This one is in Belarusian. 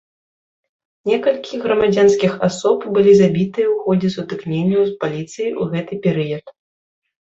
Некалькі грамадзянскіх асоб былі забітыя ў ходзе сутыкненняў з паліцыяй у гэты перыяд.